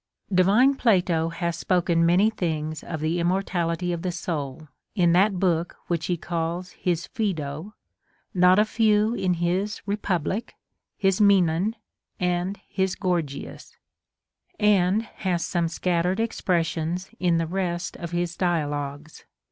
337 36. Divine Plato hath spoken many things of the immor tality of the soul in that book which he calls his Phaedo ; not a few in his Republic, his Menon, and his Gorgias ; and hath some scattered expressions in the rest of his dia logues.